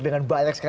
dengan balik sekali